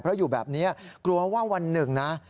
เพราะอยู่แบบนี้กลัวว่าวันหนึ่งนะ